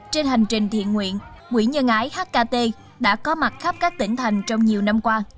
trên hành trình thiện nguyện quỹ nhân ái hkt đã có mặt khắp các tỉnh thành trong nhiều năm qua